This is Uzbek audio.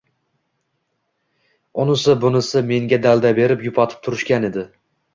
Unisi, bunisi menga dalda berib, yupatib turishgan edi